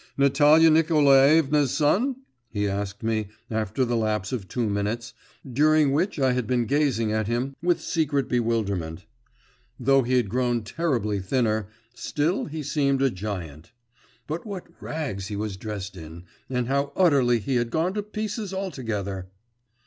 'Natalia Nikolaevna's son?' he asked me, after the lapse of two minutes, during which I had been gazing at him with secret bewilderment. Though he had grown terribly thinner, still he seemed a giant. But what rags he was dressed in, and how utterly he had gone to pieces altogether!